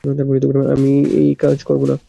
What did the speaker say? আমি এই কাজ করব না।